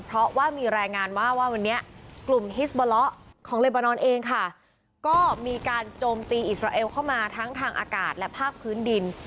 เพราะว่ามีรายงานว่าว่าวันนี้กลุ่มฮิสเบอร์ล้อของเลบานอนเองค่ะก็มีการโจมตีอิสราเอลเข้ามาทั้งทางอากาศและภาคพื้นดิน